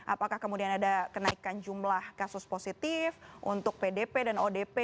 apakah kemudian ada kenaikan jumlah kasus positif untuk pdp dan odp